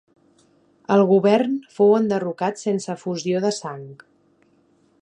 El govern fou enderrocat sense efusió de sang.